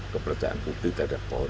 kepertian publik tidak ada power